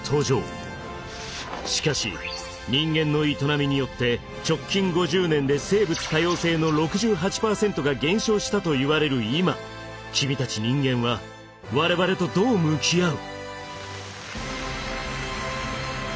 しかし人間の営みによって直近５０年で生物多様性の６８％が減少したといわれる今君たち人間は我々とどう向き合う？